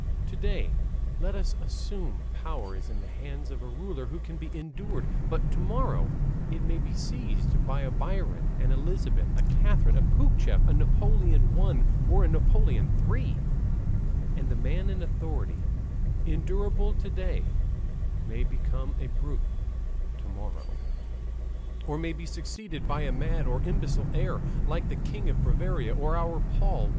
To day, let us assume, power is in the hands of a ruler who can be endured, but to morrow it may be seized by a Biron, an Elizabeth, a Catherine, a Pougachef, a Napoleon I., or a Napoleon III. And the man in authority, endurable to day, may become a brute to morrow, or may be succeeded by a mad or imbecile heir, like the King of Bavaria or our Paul I.